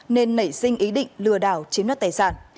nên nảy sinh ý định lừa đảo chiếm đất tài sản